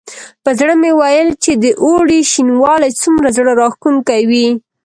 په زړه مې ویل چې د اوړي شینوالی څومره زړه راښکونکی وي.